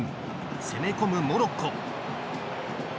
攻め込むモロッコ。